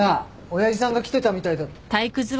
親父さんが来てたみたいだ。